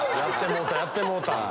やってもうた！